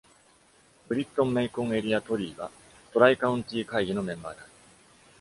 ブリットン＝メイコン・エリア「トリー」はトライカウンティ会議のメンバーである。